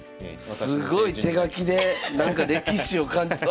すごい手書きでなんか歴史を感じる。